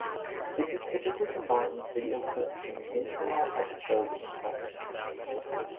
This is typically combined with video clips from the internal episodes in question.